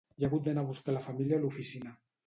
He hagut d'anar a buscar la família a l'oficina.